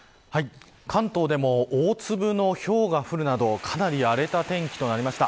関東でも大粒のひょうが降るなどかなり荒れた天気となりました。